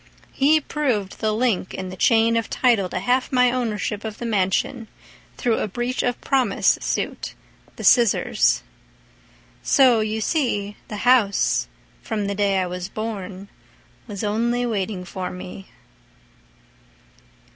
He proved the link in the chain of title To half my ownership of the mansion, Through a breach of promise suit—the scissors. So, you see, the house, from the day I was born, Was only waiting for me.